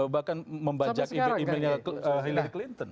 bahkan membajak imenya hillary clinton